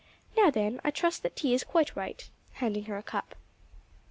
"Now, then, I trust that tea is quite right," handing her a cup.